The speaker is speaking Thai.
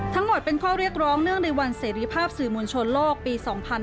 ทั้งหมดเป็นข้อเรียกร้องเนื่องในวันเสรีภาพสื่อมวลชนโลกปี๒๕๕๙